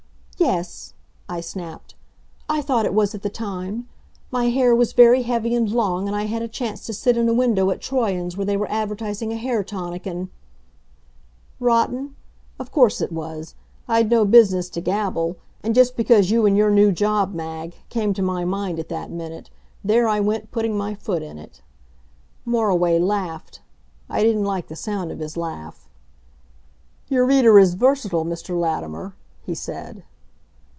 "Yes," I snapped. "I thought it was at the time. My hair was very heavy and long, and I had a chance to sit in a window at Troyon's where they were advertising a hair tonic and " Rotten? Of course it was. I'd no business to gabble, and just because you and your new job, Mag, came to my mind at that minute, there I went putting my foot in it. Moriway laughed. I didn't like the sound of his laugh. "Your reader is versatile, Mr. Latimer," he said.